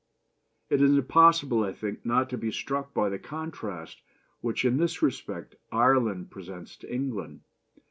"It is impossible, I think, not to be struck by the contrast which, in this respect, Ireland presents to England.